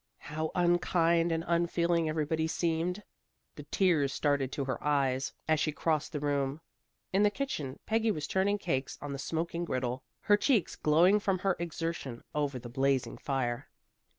How unkind and unfeeling everybody seemed. The tears started to her eyes as she crossed the room. In the kitchen Peggy was turning cakes on the smoking griddle, her cheeks glowing from her exertion over the blazing fire.